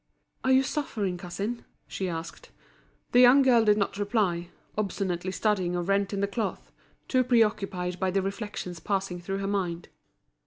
"Are you suffering, cousin?" she asked. The young girl did not reply, obstinately studying a rent in the cloth, too preoccupied by the reflections passing through her mind.